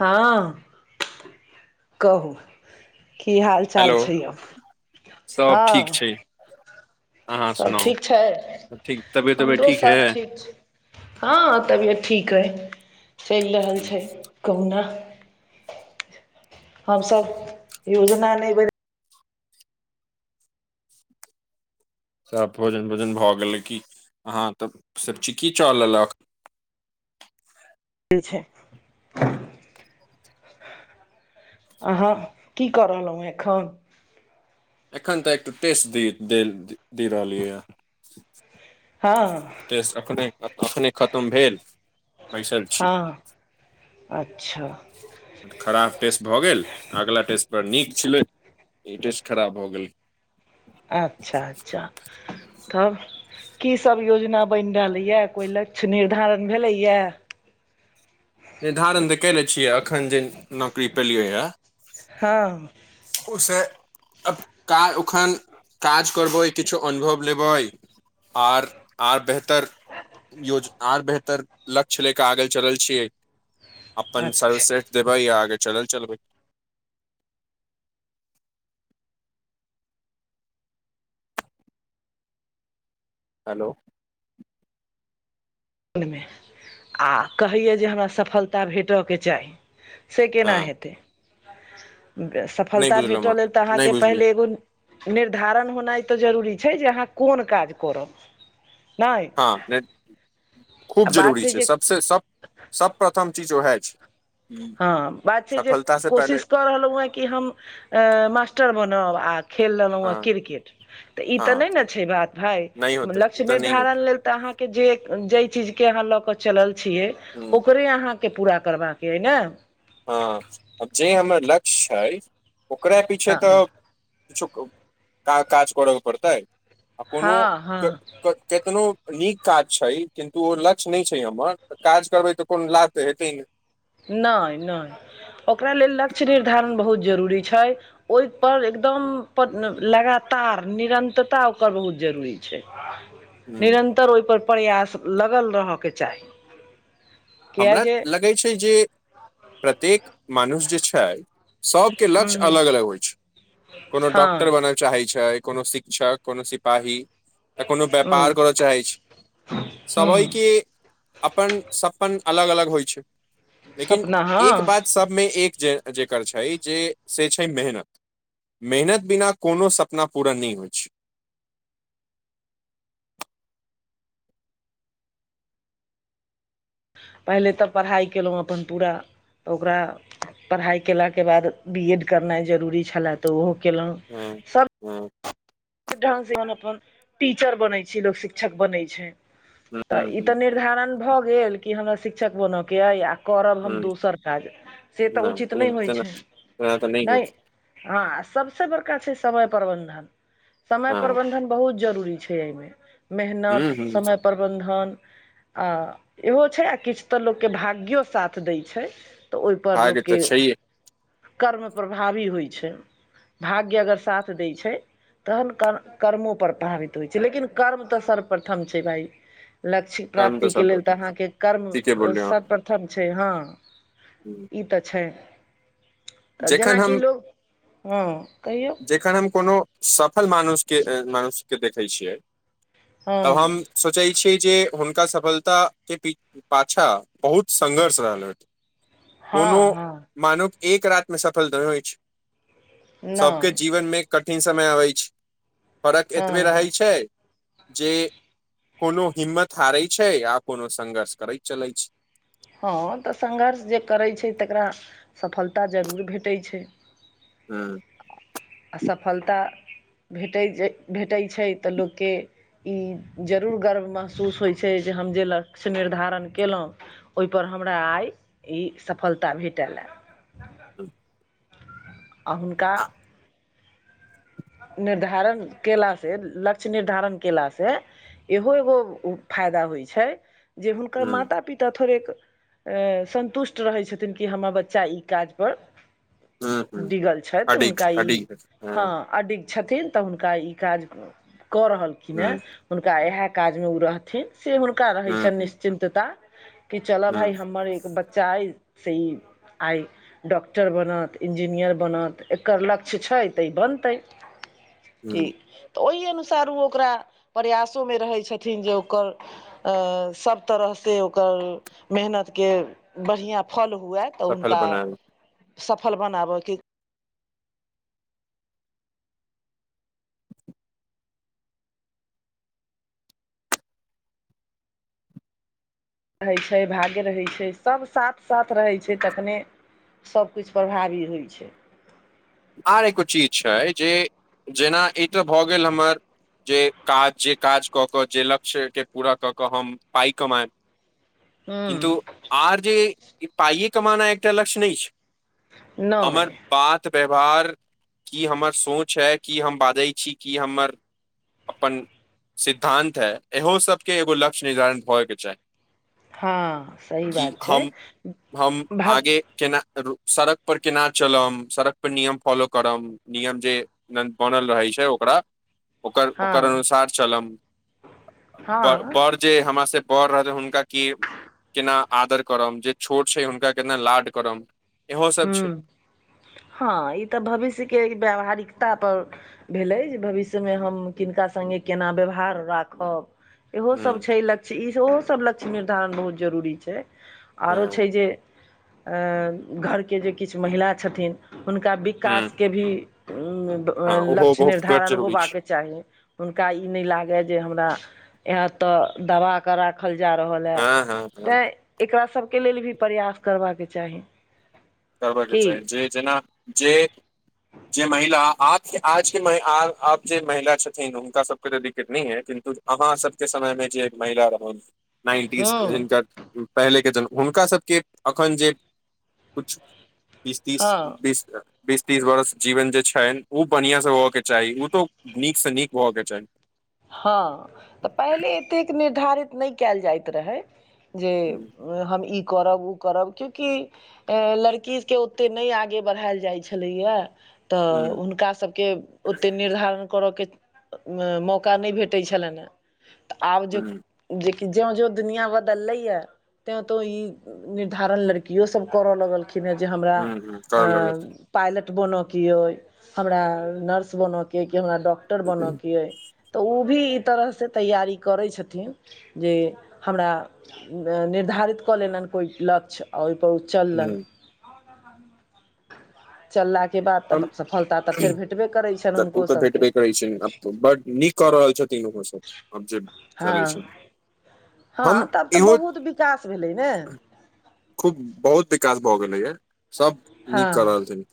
हँ कहू की हाल चाल हेलो छै यौ सब ठीक हँ छै अहाँ सब सुनाउ ठीक छै सब ठीक तबियत तबियत हमरो ठीक है सब ठीक छै हँ तबियत ठीक अइ चलि रहल हम्म, छै कहुना हम सब योजना नहि बने सब भोजन ओजन भए गेल की अहाँ तब सब चिकी चा लेलक छै अहाँ की करलहुँ एखन एखन तऽ एकटू टेस्ट द दे रहलियै यऽ हँ टेस्ट एखने खतम भेल बैसल छी हँ अच्छा खराब टेस्ट भऽ गेल अगला टेस्ट पर नीक छलै ई टेस्ट खराब भऽ गेल अच्छा अच्छा तब की सब योजना बनि रहलैएऽ कोइ लक्ष्य निर्धारण भेलैए निर्धारण तऽ केले छियै अखन जे नौकरी पेलियो यऽ हँ उ सँ अक ओखन काज करबै किछो अनुभव लेबै आओर आओर बेहतर योज आर बेहतर लक्ष्य ले कऽ आगल चलल छियै अपन अच्छा सर्वश्रेष्ठ देबै आ आगे चल चलबै हेलो आ कहैया जे हमरा सफलता भेटयके चाही से केना हँ हेते नहि सफलता बुझलहु भेटय हँ लेल तऽ नहि अहाँके बुझलियै पहिले एगो निर्धारण होनाइ तऽ जरूरी छै जे अहाँ कोन काज करब नहि हँ ने आ खूब बात जरूरी छै जे सबसँ सब सबप्रथम चीज उएह छै हँ बात छै जे सफलता से पहिले कोशिश कऽ रहलहु हन कि हम अ मास्टर बनब आ खेल ललहुँ हँ हन क्रिकेट तऽ ई तऽ हँ नय नऽ छै बात भाय नहि होतै ओ लक्ष्य तऽ नहि होतै निर्धारण लेल तऽ अहाँ के जे जै चीज कऽ अहाँ लऽ कऽ चलल छीयै ह ओकरे अहाँके पूरा करबाक कऽ ये नऽ [inaudible] हँ जे हमर लक्ष्य छै ओकरे पीछे हँ तऽ किछुक का काज करऽ पड़तै आ कोनो हँ हँ क - क कतनो नीक काज छै किन्तु ओ लक्ष्य नय छै हम्मर काज करबै तऽ कोनो लाभ तऽ हेतै नै नय नय ओकरा लेल लक्ष्य निर्धारण बहुत जरूरी छै ओयपर एकदम प लगातार निरन्तरता ओकर बहुत जरूरी छै [inaudible] निरन्तर ओयपर प्रयास लगल रहऽकऽ चाही किए हमरा जे लगै छै जे प्रत्येक मनुष्य जे छै सबकऽ लक्ष्य हँ अलग अलग होइ छै कोनो डॉक्टर बन हँ चाहै छै कोनो शिक्षक कोनो सिपाही तऽ कोनो हँ व्यापार करय चाहैत छी हँ सभहिके अप्पन स अपन अलग अलग होइ छै लेकिन सपना एक हँ बात सबमे एक जे जेकर छै जे से छै मेहनत मेहनत बिना कोनो सपना पूरा नय होइ छै पहिले तऽ पढ़ाइ कयलौं अपन पूरा तऽ ओकरा पढ़ाइ केलाके बाद बी एड करनाइ जरूरी छलै तऽ ओहो केलौं हूं हूं [unintelligible] से अप्पन टीचर बनै छै लोक शिक्षक बनै छै तऽ हँ ई तऽ निर्धारण भऽ गेल कि हमरा शिक्षक बनय के अइ आ करब हम हँ दोसर काज से तऽ उचित नहि होइ तेना छै तेना तऽ होइ नहि हँ आ सबसे बड़का छै समय प्रबन्धन समय छै हँ प्रबन्धन बहुत जरूरी छै एयमे हूँ मेहनत हूँ समय प्रबन्धन आ इहो छै आ किछ तऽ लोकके भाग्यो साथ दै छै तऽ ओयपर भाग्य तऽ लोकके छैहे कर्म प्रभावी होइ छै भाग्य अगर साथ दै छै तहन कर् कर्मो पर प्रभावित होइ छै लेकिन कर्म तऽ सर्वप्रथम छै भाइ लक्ष्य कर्म प्राप्तिकऽ सब लेल तऽ भेटत अहाँके कर्म ठीके बोललियै अहाँ सर्वप्रथम छै हँ हम्म। ई तऽ छै तऽ जखन जेनाकि हम लोक हँ कहियौ जखन हम कोनो सफल मानुष्यके अ मनुष्यके देखै छियै तब हँ हम सोचै छी जे हुनका सफलता के पी पाछा बहुत संघर्ष रहल हँ कोनो हँ मानव एक रातमे सफल [unintelligible] हो छैय सबके नहि जीवनमे कठिन समय अबय छैय फरक हँ एतबे रहय छैय जे कोनो हिम्मत हारै छै आ कोनो संघर्ष करैत चलै छैय हँ तऽ संघर्ष जे करैत छै तकरा सफलता जरूर भेटै छैय हूँ अ सफलता भेटै जे भेटै छै तऽ लोककेँ ई जरूर गर्व महसूस होइ छै जे हम जे लक्ष्य निर्धारण केयलौं ओयपर हमरा आइ ई सफलता भेटल एय [inaudible] आ हुनका आ निर्धारण केला से लक्ष्य निर्धारण केला से इहो एगो उ फायदा होइ छै जे हुनकर हूँ माता पिता थोड़े क अय संन्तुष्ट रहै छथिन कि हम्मर बच्चा ई काज पर हूँ हूँ डिगल छइथ अडिग हुनका ई अडिग हूँ हाॅं अडिग छथिन तऽ हुनका ई काज कऽ रहलखिन हूँ हेँ हुनका इएह काजमे ओ रहथिन से हुनका रहै हूँ छनि हूँ निश्चिन्तता कि चलऽ भाइ हूँ हमर एक बच्चा अइ से ई आइ डॉक्टर बनत इन्जीनियर बनत एकर लक्ष्य छै तऽ ई बनतै हूँ ठीक तऽ ओहि अनुसार ओ ओकरा प्रयासोमे रहै छथिन जे ओकर सभ तरहसँ ओकर मेहनत कऽ बढ़िआँ फल हुए तऽ सफल हुनका बनाबै सफल बनाबयके रहै छै भाग्य रहै छै सभ साथ साथ रहै छै तखने सबकिछ प्रभावी होइ छै आर एगो चीज छै जे जेना ई तऽ भऽ गेल हमर जे काज जे काज कऽ क जे लक्ष्य के पूरा कऽ के हम पाई कमाायब किंतु हूँ आर जे पइए कमाना एकटा लक्ष्य नहि छै नहि हमर बात व्यवहार की हमर सोच है किी हम बाजै छी किी हमर अपन सिद्धान्त है इहो सभके एगो लक्ष्य निर्धारित होयके चाही हँ सही कि बात छै हम हम भ आगे केना सड़क पर केना चलब सड़क नियम फॉलो करब नियम जे बनल रहै छै ओकरा ओकर हँ ओकर अनुसार चलब हँ बड़ जे हमर से बर रहतै हुनका के केना आदर करब जे छोट छै हुनका केना लाड करब इहो हू सब छै हँ ई तऽ भविष्यके व्यावहारिकता पर भेलै जे भविष्यमे हम किनका संगे केना व्यवहार राखब इहो सब ह छै लक्ष्य ई ओहो सब लक्ष्य निर्धारण बहुत जरूरी छै आओरो छै जे घरके जे किछु महिला छथिन हुनका भी ह विकास के भी हँ ओहो लक्ष्य बहुत बड़ निर्धारण जरूरी होबाक छै कऽ चाही हुनका ई नहि लागे जे हमरा यहा तऽ दवा केऽ राखल जा रहल हइ हँ हँ हँ तैँ एकरा सबके लेल भी प्रयास करबाक चाही करबयके की चाही जे जेना जे जे महिला आके आजके आब जे महिला छथिन हुनका सबके तऽ दिक्कत नेइ है किन्तु अहाँ सबके समय मऽ जे महिला रहन नाइन्टीज हँ हिनकर पहिलेके जन्म हुनकासभके एखन जे कुछ बीस तीस हँ बीस बीस तीस बरस जीवन जे छनि उ बढ़िया से होय के चाही ओ तो नीक सऽ नीक होय कऽ चाही हँ तऽ पहिले एतेक निर्धारित नहि कयल जाइत रहै जे हम ई करब ओ करब कआएकि लड़कीके ओतेक नहि आगे बढ़ायल जाइ छलैए तऽ ह हुनका सबके ओतेक निर्धारण करऽके मौ मोका नहि भेटैत छलनि हँ तऽ आब ज ह जेकि ज्यों ज्योँ दुनिआ बदललैएँ तैँ तऽ ई निर्धारण लड़कियोसभ करय लगलखिन हेँ जे हमरा ह कर लग पायलट बनऽके अइ हमरा नर्स बनऽके अइ कि हमरा डॉक्टर बनऽके अइ तऽ ओ भी ई तरहसँ तैयारी करै छथिन जे हमरा निर्धारित कऽ लेलनि कोइ लक्ष्य आ ओहिपर उ चललनि ह चललाके बाद तऽ हम सफलता तऽ फेर भेटबे करै छनि हुनको सभके रहै छैब बड नीक कऽ रहल छथिन ओहो सब आब जे हँ चलै छै हँ हम आब तऽ इहो बहुत विकास भेलै नऽ खूब बहुत विकास भऽ गेलैए सभ हँ नीक कऽ रहल छैन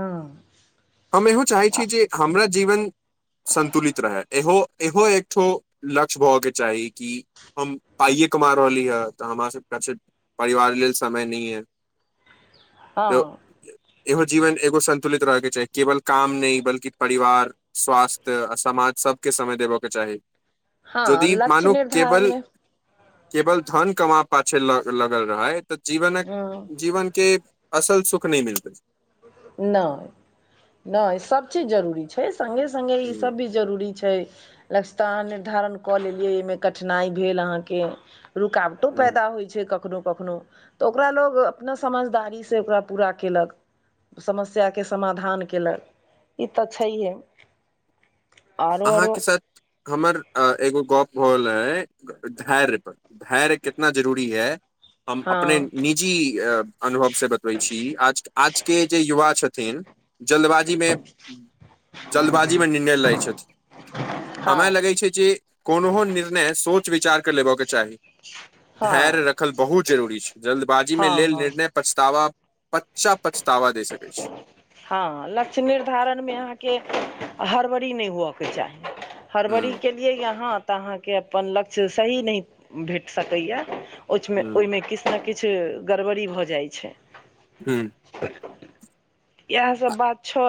हँ हम इहो चाहै छी जे हमरा जीवन संन्तुलित रहय इहो इहो एकठो लक्ष्य भय कऽ चाही कि हम पाइए कमा रहली हय तऽ हमरा सबके परिवार लेल समय नेय हऽ हँ इहो जीवन एगो संन्तुलित रहयके छैाही केवल काम नऽ बल्कि परिवार स्वास्थ्य समाज सबके समय देबऽ के चाही हँ यदि लक्ष्य मानू केवल निर्धारणमे केवल धन कमा पाछे लगल रहै तऽ जीवनक हँ जीवनके असल सुख नहि मिलतै नहि नहि सब चीज जरूरी छै स्गे स्गे ई ह सब भी जरूरी छै लक्ष्य तऽ अहाँ निर्धारण कऽ लेलियै एहिमे कठिनाई भेल अहाँकेँ रुक आब तो ह पैदा होइ छै कखनो कखनो तऽ ओकरा लोग अपना समझदारी से ओकरा पूरा केलक समस्या केँ समाधान कयेलक ई तऽ छैहे आरो आरो अहाँकेँ साथ हमर एगो गप्प भऽगल रहय है धैर्य पर धैर्य कितना जरुरी है हम अपने हँ निजी अनुभव से बतबै छी आज आज केँ जे युवा छथिन जल्दबाजीमे [inaudible] जल्दबाजीमे निर्णय रहैत छथिन हमरा हँ लगै छै जे कोनोहो निर्णय सोच विचार कऽ लेबय कऽ चाही [inaudible] धैर्य हँ रखल बहुत जरूरी छै जल्दबाजीमे हँ लेल हँ निर्णय पछतावा [inaudible] पच्चा पछतावा दे छै [unintelligible] सकै हँ लक्ष्य निर्धारणमे अहाँकेँ हड़बड़ नै हुअ कऽ चाही ह हड़बड़ी केलियै यहाँ तऽ अहाँकेँ अपन लक्ष्य सही नहि भेट सकैए अच्छ मे ह ओइमे किछ नै किछ गड़बड़ी भऽ जाइ छै हूँ [unintelligible] इहै सब बात छै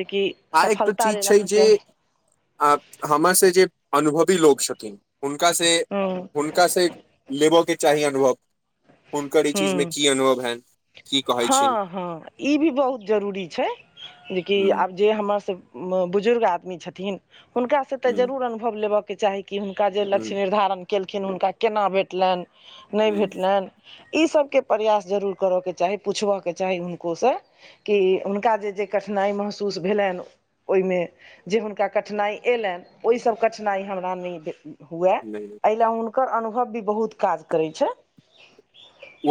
जेकि आर एकटो सफलता चीज लेल छै अहाँके जे आ हमर से जे अनुभवी लोक छथिन हुनका से [unintelligible] हुनका से लेब केँ चाही अनुभव हुनकर ई चीज मे हूँ की अनुभव है हँ हँ ई भी बहुत जरूरी छै जेकि आब जे हमर सब बुजुर्ग आदमी छथिन हुनका से तऽ ह जरूर अनुभव लेब कऽचाही कि हुनका जे लक्ष्य ह निर्धारण केलखिन हुनका केना भेटलैन नै भेटलैन ई सब केँ प्रयास जरूर कर कऽ चाही पुछबय कऽ चाही हुनको स कि हुनका जे जे कठिनाइ महसूस भेलैन ओरमे जे हुनका कठिनाइ आइलैन ओहिसभ कठिनाइ हमरा नै हुए नहि एइ लए हुनकर अनुभव भी बहुत काज करे छै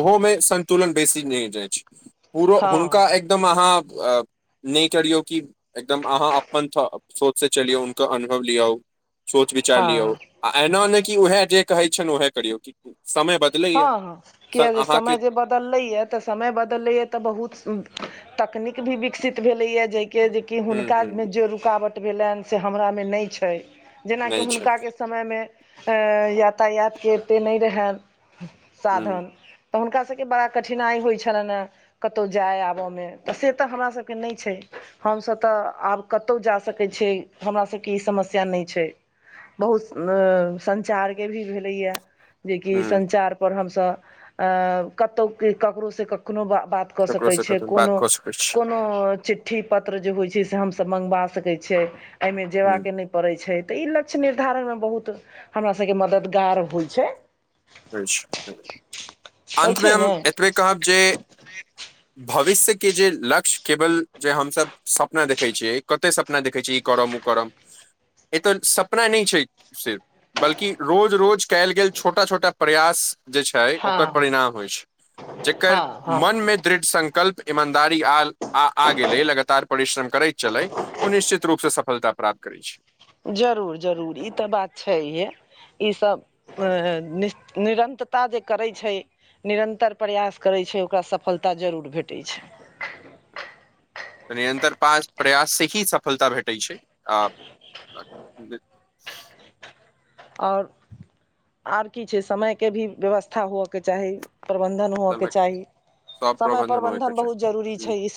ओहोमे संन्तुलन बेसी नै जाइ अछि पुरो हँ हुनका एकदम अहाँ नै करियौ कि एकदम अहाँ अपन सोचसँ चलियौ हुनकर अनुभव लिऔ सोच विचार हँ लियौ आ एना नहि कि उएह जे कहै छैन उएह करियौ समय ब हँ हँ किया जे समय जे बदलै यऽ समय बदलेयै तऽ बहुत तकनीक भी बिकसित भेलैय जे केँ जे कि ह ह हुनकामे जे रुकावट भेलैन से हमरामे नहि छै जेनाकि नहि छै हुनका समयमे यातायातके एते नै रहै ह साधन तऽ हुनका सभ केँ बड़ा कठिनाइ होइ छ्लैन है कतै जाय आबयमे तऽ से तऽ हमरासभके नहि छै हमसभ तऽ आब कतै जा सकै छियै हमरा सभ केँ ई समस्या नहि छै बहुत संचार केँ भी भेलै या जेकि ह संचार पर हम सब अ कतै ककरो से कखनो बा बात कऽ सकै ककरोसँ छियै कतहु बात कोनो कऽ सकैत [inaudible] छी कोनो चि चिट्ठी पत्र जे होय छै से हम सब मंगवा सके छै आइ में जेवा हूँ, केँ नै पड़ै छै तऽ ई लक्ष्य निर्धारण मे बहुत हमरा सब केँ मददगार होइ छै एछै [inaudible] होइत अन्तमे छै हम ने एतबे कहब जे भविष्य के जे लक्ष्य केवल जे हमसब सपना देखै छियै कते सप सपना देखै छियै इ करब ओ करब, एत सपना नहि छै सिर्फ बल्कि रोज रोज कयल गेल छोटा छोटा प्रयास जे छै हँ ओकर परिणाम होइ छै, जेकर हँ हँ मनमे दृढ़ संकल्प इमानदारी आ गेलै लगातार परिश्रम करैत चलै ओ निश्चित रूपसे सफलता प्राप्त करै छै। जरुर जरुर इ तऽ बात छैहे। इ सब नि निरन्तरता जे करै छै निरन्तर प्रयास करै छै ओकरा सफलता जरुर भेटै छै। निरन्तर पास प्रयाससे ही सफलता भेटैत छै आ और, और की छै समयके भी व्यवस्था होके चाही प्रबंधन होय बाय कऽ समय चाही, सब समय होय के प्रबंधन बहुत जरूरी चाही छै इ सब